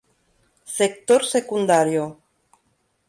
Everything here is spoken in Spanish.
Sector secundario.